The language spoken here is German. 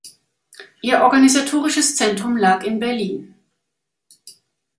Ihr organisatorisches Zentrum lag in Berlin.